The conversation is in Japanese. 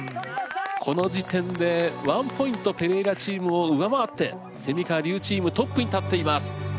この時点で１ポイントペレイラチームを上回って川・笠チームトップに立っています。